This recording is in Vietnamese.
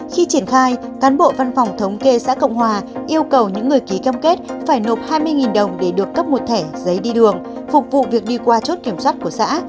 khi triển khai cán bộ văn phòng thống kê xã cộng hòa yêu cầu những người ký cam kết phải nộp hai mươi đồng để được cấp một thẻ giấy đi đường phục vụ việc đi qua chốt kiểm soát của xã